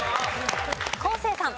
昴生さん。